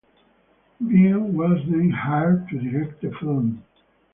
Wiene was then hired to direct the film.